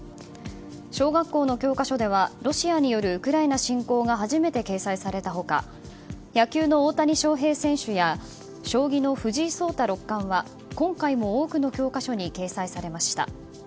小学校の教科書ではロシアによるウクライナ侵攻が初めて掲載された他野球の大谷翔平選手や将棋の藤井聡太六冠は今回も、多くの教科書に掲載されました。